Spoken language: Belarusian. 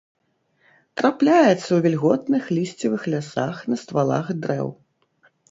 Трапляецца ў вільготных лісцевых лясах на ствалах дрэў.